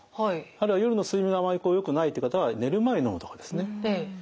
あるいは夜の睡眠があまりよくないって方は寝る前にのむとかですね。